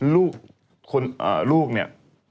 ลูกคนนี้